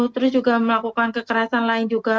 terus juga melakukan kekerasan lain juga